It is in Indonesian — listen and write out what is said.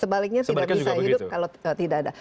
sebaliknya tidak bisa hidup kalau tidak ada